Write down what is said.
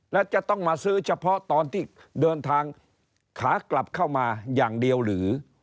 แล้วจะต้องมาซื้อเฉพาะตอนที่เดินทางขากลับเข้ามาอย่างเดียวหรือ